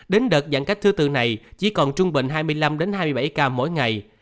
đến đợt giãn cách thứ tư này chỉ còn trung bình hai mươi năm hai mươi bảy ca mỗi ngày